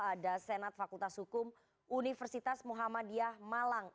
ada senat fakultas hukum universitas muhammadiyah malang